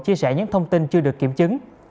chia sẻ những thông tin chưa được kiểm chứng